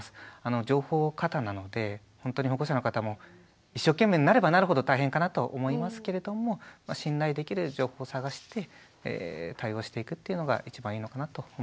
情報過多なのでほんとに保護者の方も一生懸命になればなるほど大変かなと思いますけれども信頼できる情報を探して対応していくっていうのが一番いいのかなと思います。